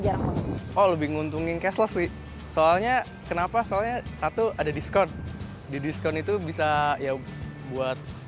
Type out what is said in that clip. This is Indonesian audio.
jalan lebih nguntungin cashless soalnya kenapa soalnya satu ada diskon diskon itu bisa ya buat